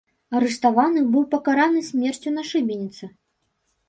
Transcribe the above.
Арыштаваны, быў пакараны смерцю на шыбеніцы.